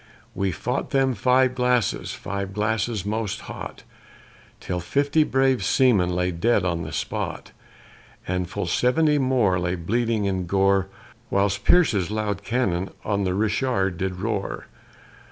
We fought them five glasses, five glasses most hot, Till fifty brave seamen lay dead on the spot, And full seventy more lay bleeding in their gore, Whilst Pierce's loud cannon on the Richard did roar.